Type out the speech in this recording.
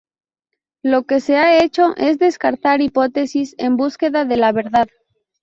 Lo que se ha hecho es descartar hipótesis en búsqueda de la verdad.